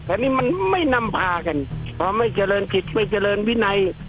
แต่นี่มันไม่นำพากันพอไม่เจริญกิจไม่เจริญวินัย